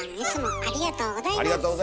ありがとうございます！